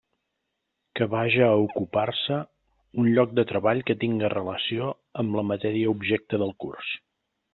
Que vaja a ocupar-se un lloc de treball que tinga relació amb la matèria objecte del curs.